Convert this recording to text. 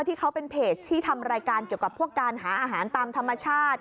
ที่เขาเป็นเพจที่ทำรายการเกี่ยวกับพวกการหาอาหารตามธรรมชาติ